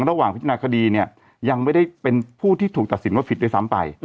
ระหว่างพิจารณาคดีเนี่ยยังไม่ได้เป็นผู้ที่ถูกตัดสินว่าผิดด้วยซ้ำไป